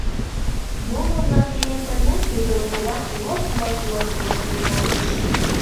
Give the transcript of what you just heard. Моло-влак дене пырля Придон куват лот-лот-лот воштыл колтыш.